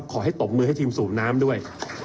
ตบมือให้ทีมสูบน้ำด้วย